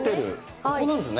ここなんですね。